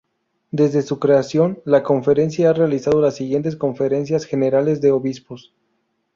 Desde su creación, la Conferencia ha realizado las siguientes Conferencias Generales de Obispos.